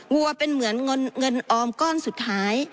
วัวเป็นเหมือนเงินออมก้อนสุดท้าย